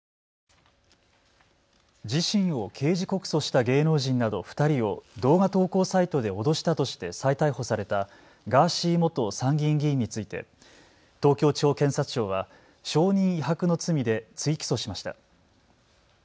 自身を刑事告訴した芸能人など２人を動画投稿サイトで脅したとして再逮捕されたガーシー元参議院議員について東京地方検察庁は証人威迫の罪で追起訴しました。